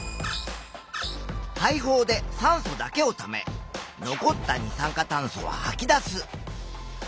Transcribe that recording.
肺胞で酸素だけをため残った二酸化炭素ははき出す。